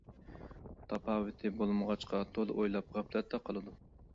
تاپاۋىتى بولمىغاچقا تولا ئويلاپ غەپلەتتە قالىدۇ.